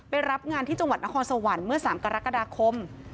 รับงานที่จังหวัดนครสวรรค์เมื่อ๓กรกฎาคม